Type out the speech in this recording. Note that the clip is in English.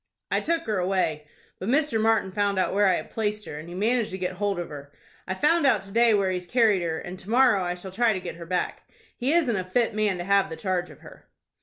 "I took her away, but Mr. Martin found out where I had placed her, and he managed to get hold of her. I found out to day where he carried her, and to morrow I shall try to get her back. He isn't a fit man to have the charge of her."